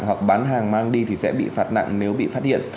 hoặc bán hàng mang đi thì sẽ bị phạt nặng nếu bị phát hiện